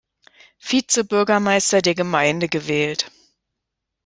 Vizebürgermeister der Gemeinde gewählt.